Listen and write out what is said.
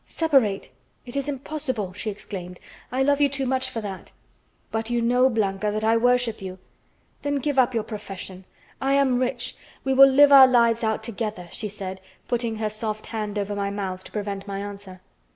"Separate? It is impossible!" she exclaimed. "I love you too much for that." "But you know, Blanca, that I worship you." "Then give up your profession. I am rich. We will live our lives out together," she said, putting her soft hand over my mouth to prevent my answer.